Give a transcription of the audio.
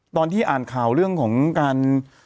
ตอนที่อ่านข่าวเรื่องของการ